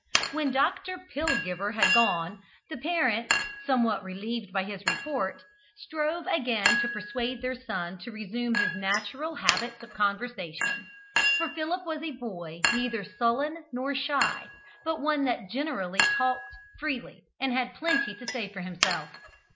When Doctor Pillgiver had gone, the parents, somewhat relieved by his report, strove again to persuade their son to resume his natural habits of conversation, for Philip was a boy neither sullen nor shy, but one that generally talked freely, and had plenty to say for himself.